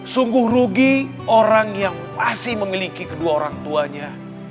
sungguh rugi orang yang masih memiliki kedua orang tuanya